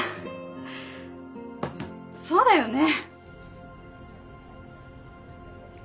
そうだよね